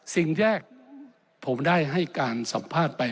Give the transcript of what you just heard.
สิ่งแรกผมได้ให้การสัมภาษณ์ไป